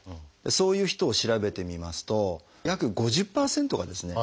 そういう人を調べてみますと約５０％がですね